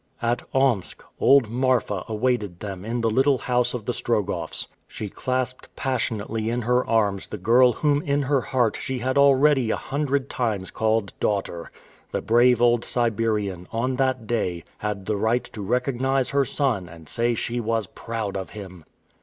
At Omsk, old Marfa awaited them in the little house of the Strogoffs. She clasped passionately in her arms the girl whom in her heart she had already a hundred times called "daughter." The brave old Siberian, on that day, had the right to recognize her son and say she was proud of him.